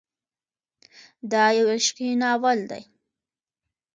دا يو عشقي ناول دی.